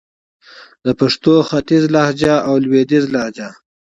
د پښتو ختیځه لهجه او لويديځه لهجه